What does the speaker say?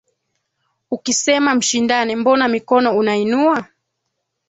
Ukisema mshindane mbona mikono unainua?